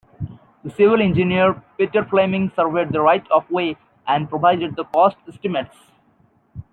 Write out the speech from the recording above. The civil engineer Peter Fleming surveyed the right-of-way and provided the cost estimates.